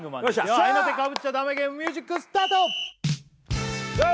合いの手かぶっちゃダメゲームミュージックスタートヘイ！